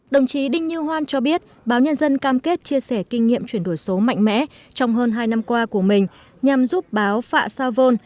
đồng chí đinh như hoan cho biết báo nhân dân cam kết chia sẻ kinh nghiệm chuyển đổi số mạnh mẽ trong hơn hai năm qua của mình nhằm giúp báo phạ sa vôn